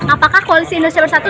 apakah koalisi indonesia bersatu